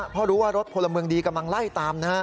เพราะรู้ว่ารถพลเมืองดีกำลังไล่ตามนะฮะ